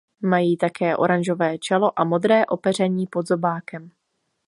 Mají také oranžové čelo a modré opeření pod zobákem.